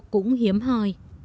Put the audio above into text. cũng hiếm hoi